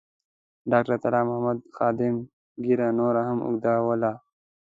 ډاکټر طلا محمد خادم ږیره نوره هم اوږدوله.